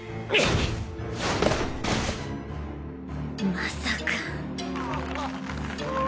まさか。